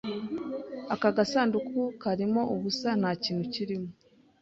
Aka gasanduku karimo ubusa. Nta kintu kirimo.